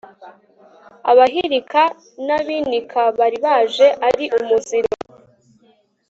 abahirika n'abinika baribaje ari umuziro ..